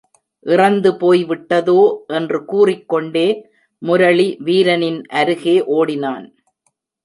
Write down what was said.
இறந்துபோய்விட்டதோ! என்று கூறிக்கொண்டே முரளி வீரனின் அருகே ஓடினான்.